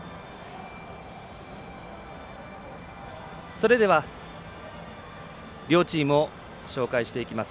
それでは、両チームを紹介していきます。